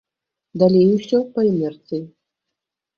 Далей усё па інерцыі.